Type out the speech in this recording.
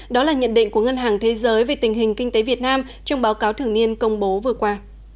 đó là nhận định của ngân hàng thế giới về tình hình kinh tế việt nam trong báo cáo thường niên công bố vừa qua